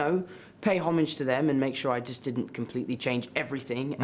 apa yang akan terjadi jika anda memberikan kekuatan super yang berumur lima belas tahun